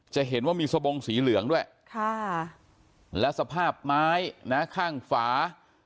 จะเห็นว่ามีสบงสีเหลืองด้วยและสภาพไม้นะข้างฝา